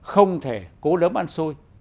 không thể cố đấm ăn xuống